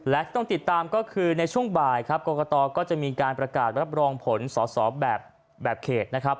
และต้องติดตามก็คือในช่วงบ่ายกตก็จะมีการประกาศรับรองผลสสแบบเขต